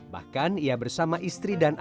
bahkan ia bersama istri dan anaknya